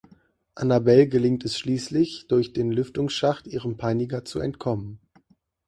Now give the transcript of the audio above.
Annabelle gelingt es schließlich durch den Lüftungsschacht ihrem Peiniger zu entkommen.